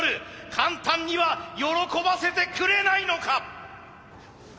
簡単には喜ばせてくれないのか。